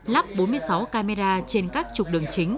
lắp bốn mươi sáu camera trên các trục đường chính